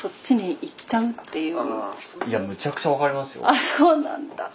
あっそうなんだ。